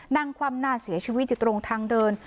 คว่ำหน้าเสียชีวิตอยู่ตรงทางเดิน